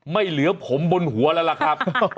ไม่เหลือผมบนหัวแล้วล่ะครับ